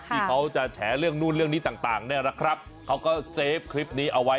ที่เขาจะแฉเรื่องนู้นเรื่องนี้ต่างเนี่ยนะครับเขาก็เซฟคลิปนี้เอาไว้